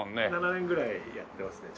７年ぐらいやってますね